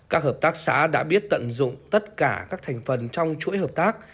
các hợp tác xã đã biết tận dụng tất cả các thành phần trong chuỗi hợp tác